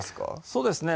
そうですね